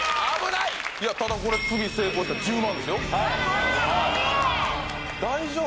いやただこれ次成功したら１０万ですよ大丈夫？